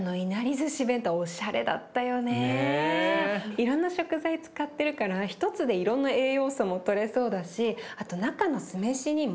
いろんな食材使ってるから一つでいろんな栄養素もとれそうだしあと中の酢飯にも。